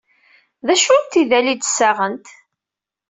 D acu n tidal ay d-ssaɣent?